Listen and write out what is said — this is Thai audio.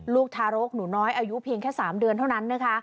ทารกหนูน้อยอายุเพียงแค่๓เดือนเท่านั้นนะคะ